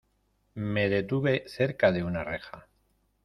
Me detuve cerca de una reja.